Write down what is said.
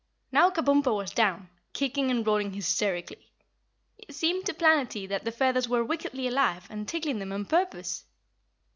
Now Kabumpo was down, kicking and rolling hysterically. It seemed to Planetty that the feathers were wickedly alive and tickling them on purpose.